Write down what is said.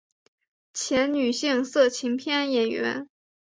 前女性色情片演员。